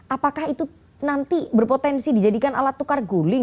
apakah itu nanti berpotensi dijadikan alat tukar guling